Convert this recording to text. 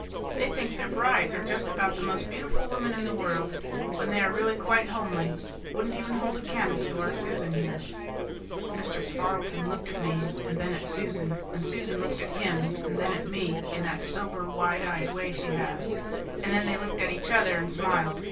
They think their brides are just about the most beautiful women in the world, when they are really quite homely wouldn't even hold a candle to our Susan here." Mr. Spardleton looked at me and then at Susan, and Susan looked at him and then at me in that sober wide eyed way she has, and then they looked at each other and smiled.